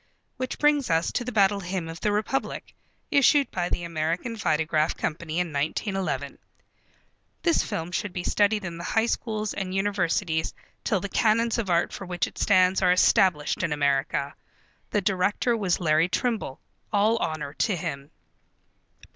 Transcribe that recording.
Which brings us to The Battle Hymn of the Republic, issued by the American Vitagraph Company in 1911. This film should be studied in the High Schools and Universities till the canons of art for which it stands are established in America. The director was Larry Trimble. All honor to him.